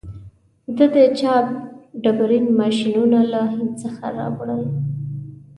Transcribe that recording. ده د چاپ ډبرین ماشینونه له هند څخه راوړل.